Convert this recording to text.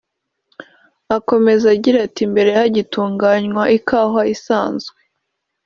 Akomeza agira ati “Mbere hagitunganywa ikawa isanzwe